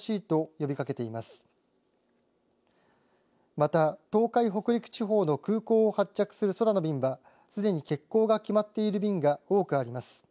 また東海・北陸地方の空港を発着する空の便はすでに欠航が決まっている便が多くあります。